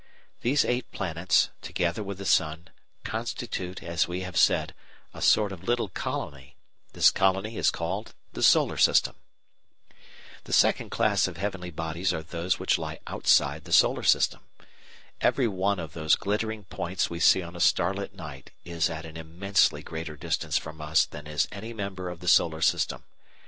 These eight planets, together with the sun, constitute, as we have said, a sort of little colony; this colony is called the Solar System. The second class of heavenly bodies are those which lie outside the solar system. Every one of those glittering points we see on a starlit night is at an immensely greater distance from us than is any member of the Solar System.